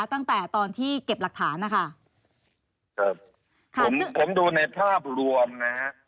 ตั้งแต่ตอนที่เก็บหลักฐานนะคะครับค่ะผมผมดูในภาพรวมนะฮะ